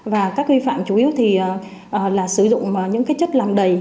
và các vi phạm chủ yếu là sử dụng những chất làm đầy